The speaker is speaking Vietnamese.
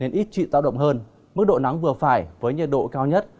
nên ít trị tạo động hơn mức độ nắng vừa phải với nhiệt độ cao nhất